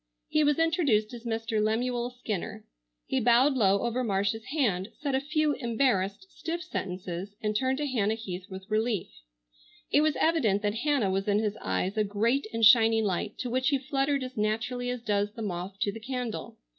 He was introduced as Mr. Lemuel Skinner. He bowed low over Marcia's hand, said a few embarrassed, stiff sentences and turned to Hannah Heath with relief. It was evident that Hannah was in his eyes a great and shining light, to which he fluttered as naturally as does the moth to the candle.